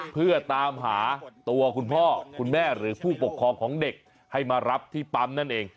เพื่อตามหาตัวคุณพ่อคุณแม่หรือผู้ปกครองของเด็กให้มารับที่ปั๊มนั่นเอง